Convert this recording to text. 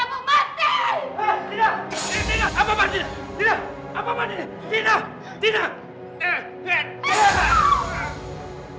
kalau bapak tidak mau bertanggung jawab